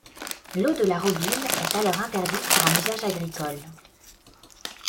L'eau de la Robine est alors interdite pour un usage agricole.